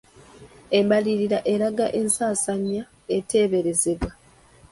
Embalirira eraga ensaasaanya eteeberezebwa.